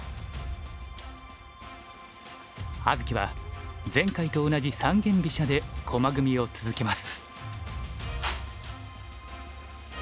葉月は前回と同じ三間飛車で駒組みを続けます。